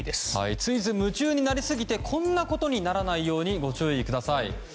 つい夢中になりすぎてこんなことにならないようにご注意ください。